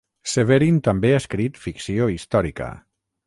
Severin també ha escrit ficció històrica.